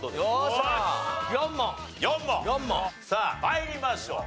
さあ参りましょう。